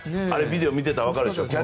あれビデオを見てたらわかるでしょ。